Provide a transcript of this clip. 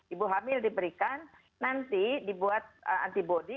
ibu hamil diberikan nanti dibuat antibody